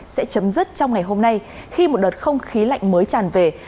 sẽ chấm dứt trong ngày hôm nay khi một đợt không khí lạnh mới tràn về